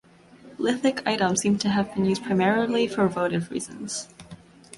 Lithic items seem to have been used primarily for votive reasons.